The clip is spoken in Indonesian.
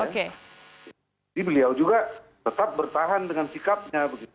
jadi beliau juga tetap bertahan dengan sikapnya